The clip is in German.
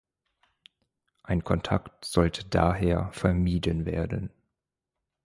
Ein Kontakt sollte daher vermieden werden.